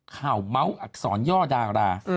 ข่าวเม้าส์อักษรย่อดารา